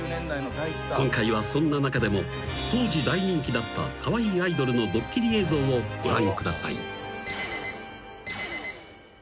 ［今回はそんな中でも当時大人気だったカワイイアイドルのドッキリ映像をご覧ください］